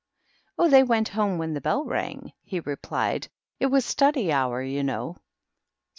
" Oh, they went home when the bell rang," he replied ;" it was study hour, you know."